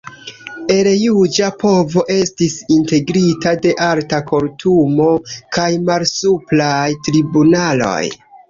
El Juĝa Povo estis integrita de Alta Kortumo, kaj malsupraj tribunaloj.